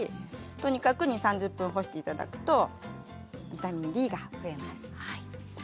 ２０分から３０分干していただくとビタミンＤが増えます。